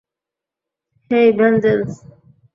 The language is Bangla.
হেই, ভেনজেন্স!